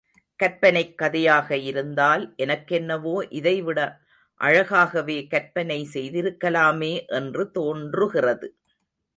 கற்பனைக் கதையாக இருந்தால், எனக்கென்னவோ இதைவிட அழகாகவே கற்பனை செய்திருக்கலாமே என்று தோன்றுகிறது.